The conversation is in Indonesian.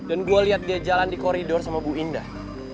dan gue liat dia jalan di koridor sama bu indah